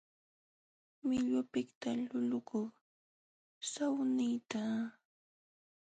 Millwapiqta lulakuy sawnaykita mishkilla puñunaykipaq.